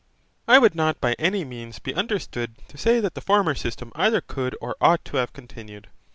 I would not by any means be understood to say that the former system either could or ought to have continued.